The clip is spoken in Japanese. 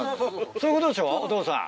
そういうことでしょお父さん。